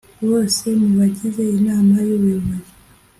bose mu bagize inama y ubuyobozi